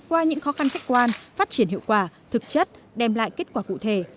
qua những khó khăn khách quan phát triển hiệu quả thực chất đem lại kết quả cụ thể